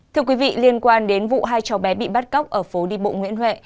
thưa quý vị liên quan đến vụ hai cháu bé bị bắt cóc ở phố đi bộ nguyễn huệ